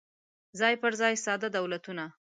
څای پر ځای ساده دولتونه